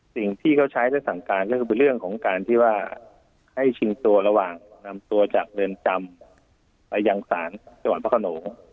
สิ่งที่เขาใช้และสั่งการก็คือเรื่องของการที่ว่าให้ชิงตัวระหว่างนำตัวจากเรือนจำไปยังศาลจังหวัดพระขนง